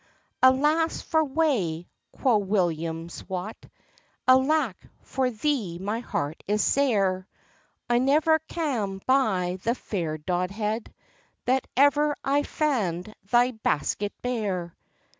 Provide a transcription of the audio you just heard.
"Alas for wae!" quo' William's Wat, "Alack, for thee my heart is sair! I never cam by the fair Dodhead, That ever I fand thy basket bare."